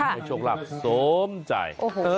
ให้โชคหลับสมใจ